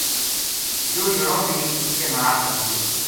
یوہ جنو بی اس کے ناڑ ہو گیو